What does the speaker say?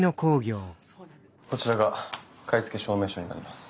こちらが買付証明書になります。